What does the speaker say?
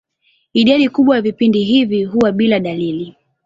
Idadi kubwa ya vipindi hivi huwa bila dalili.